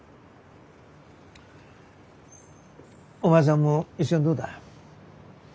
お前さんも一緒にどうだ？